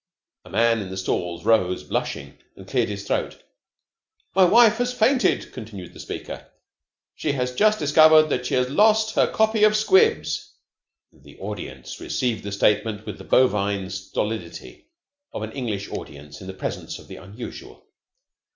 A man in the stalls rose, blushing, and cleared his throat. "My wife has fainted," continued the speaker. "She has just discovered that she has lost her copy of 'Squibs.'" The audience received the statement with the bovine stolidity of an English audience in the presence of the unusual.